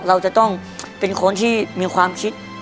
เราจะต้องเป็นคนที่มีความคิด